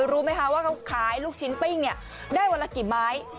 รู้ไหมคะว่าเขาขายลูกชิ้นปิ้งได้วันละกี่ไม้